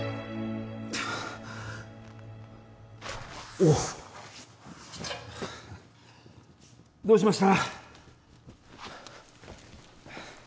おっどうしました？